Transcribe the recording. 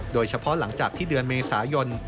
โดยเฉพาะหลังจากที่เดือนเมษายน